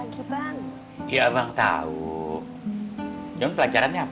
sampe kira kira sampai di jalan buhat